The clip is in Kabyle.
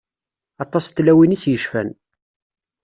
Aṭas n tlawin i s-yecfan.